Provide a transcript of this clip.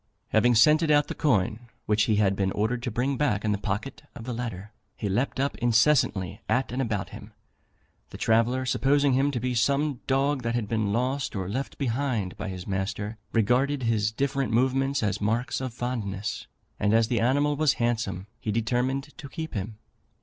Having scented out the coin which he had been ordered to bring back in the pocket of the latter, he leaped up incessantly at and about him. The traveller, supposing him to be some dog that had been lost or left behind by his master, regarded his different movements as marks of fondness; and as the animal was handsome, he determined to keep him.